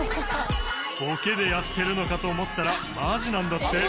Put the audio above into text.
ボケでやってるのかと思ったらマジなんだって。